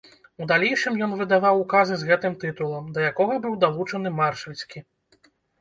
У далейшым ён выдаваў указы з гэтым тытулам, да якога быў далучаны маршальскі.